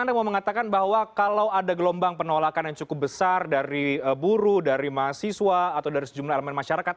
anda mau mengatakan bahwa kalau ada gelombang penolakan yang cukup besar dari buru dari mahasiswa atau dari sejumlah elemen masyarakat